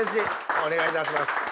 お願いいたします。